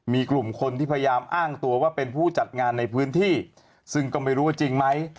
มีกลุ่มคนที่พยายามอ้างตัวว่าเป็นผู้จัดงานในพื้นที่ซึ่งก็ไม่รู้ว่าจริงไหม